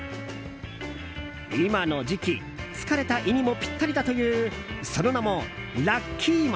今の時期、疲れた胃にもぴったりだというその名もラッキー餅。